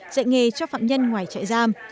dạy nghề cho phạm nhân ngoài trại giam